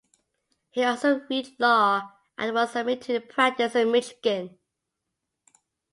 He also read law and was admitted to practice in Michigan.